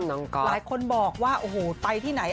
ลายคนบอกว่าไปที่ไหน